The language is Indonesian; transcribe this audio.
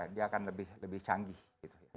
dia akan lebih canggih gitu ya